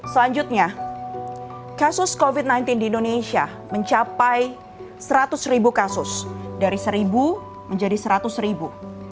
selanjutnya kasus covid sembilan belas di indonesia mencapai seratus ribu kasus dari seribu menjadi seratus ribu